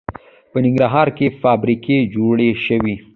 په ننګرهار کې فابریکې جوړې شوي